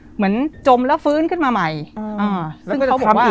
เหมือนจมแล้วฟื้นขึ้นมาใหม่อืมอ่าแล้วก็จะทำอีก